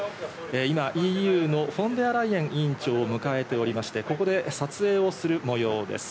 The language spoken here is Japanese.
今、ＥＵのフォン・デア・ライエン委員長を迎えておりまして、ここで撮影をする模様です。